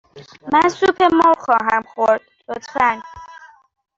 من سوپ مرغ خواهم خورد، لطفاً.